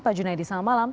pak junaidi selamat malam